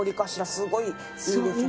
すごいいいですね。